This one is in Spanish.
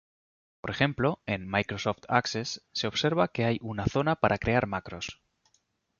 Por ejemplo, en Microsoft Access se observa que hay una zona para crear macros.